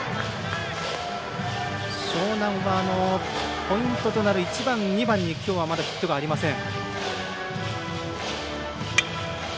樟南はポイントとなる１番、２番にきょうはまだヒットがありません。